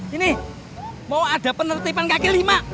ini mau ada penertiban kaki lima